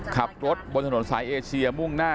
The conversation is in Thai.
ขับรถบนถนนสายเอเชียมุ่งหน้า